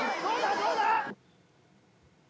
どうだ？